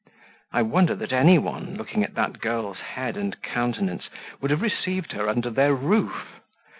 I wonder that any one, looking at that girl's head and countenance, would have received her under their roof.